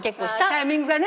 タイミングがね。